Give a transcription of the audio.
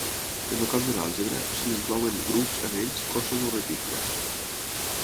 En el camp de l'àlgebra, s'hi inclouen grups, anells, cossos o reticles.